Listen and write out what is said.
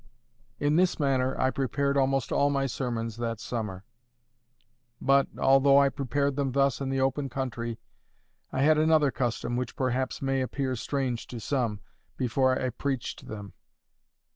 In this manner I prepared almost all my sermons that summer. But, although I prepared them thus in the open country, I had another custom, which perhaps may appear strange to some, before I preached them.